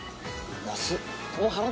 安っ。